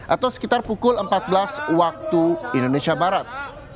atau sekitar pukul empat belas waktu indonesia barat